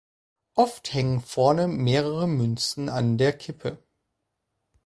Oft hängen vorne mehrere Münzen an der Kippe.